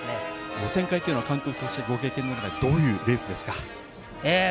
予選会というのは監督のご経験の中でどういうレースですか？